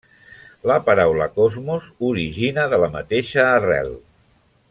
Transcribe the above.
La paraula cosmos origina de la mateixa arrel.